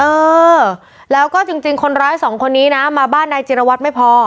เออแล้วก็จริงคนร้ายสองคนนี้นะมาบ้านนายจิรวัตรไม่พอ